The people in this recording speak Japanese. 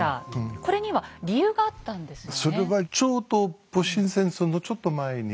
これには理由があったんですよね。